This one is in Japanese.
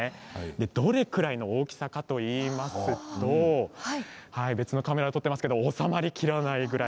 どれくらいの大きさかといいますと別のカメラで撮っていますが収まりきらないぐらい。